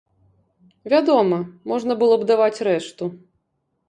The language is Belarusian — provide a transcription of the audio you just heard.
Вядома, можна было б даваць рэшту.